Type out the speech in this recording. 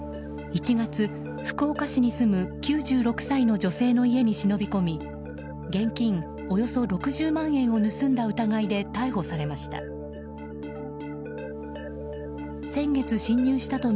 １月、福岡市に住む９６歳の女性の家に忍び込み現金およそ６０万円を盗んだ疑いで逮捕されました。